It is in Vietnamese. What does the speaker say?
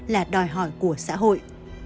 và đòi hỏi của xã hội